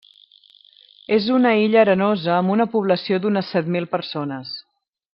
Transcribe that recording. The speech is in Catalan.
És una illa arenosa amb una població d'unes set mil persones.